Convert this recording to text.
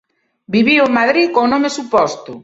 Viviu en Madrid con nome suposto.